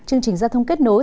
chương trình giao thông kết nối